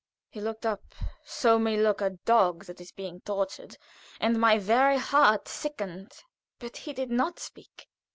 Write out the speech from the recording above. He looked up so may look a dog that is being tortured and my very heart sickened; but he did not speak.